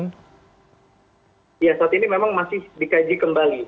ya saat ini memang masih dikaji kembali